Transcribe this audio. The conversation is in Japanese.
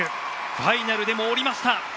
ファイナルでも降りました。